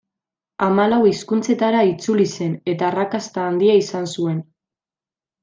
Hamalau hizkuntzatara itzuli zen eta arrakasta handia izan zuen.